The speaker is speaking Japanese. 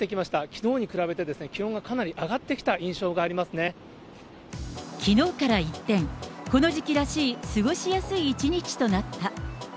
きのうに比べて、気温がかなり上きのうから一転、この時期らしい過ごしやすい一日となった。